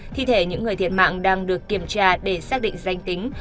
thi thể những người thiệt mạng đang được kiểm tra để xác định danh tính